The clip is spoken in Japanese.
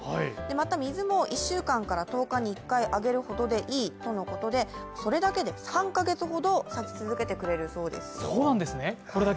また水も１週間から１０日に１回ほどあげることでいいとのことで、それだけで３カ月ほど咲き続けてくれるそうですよ。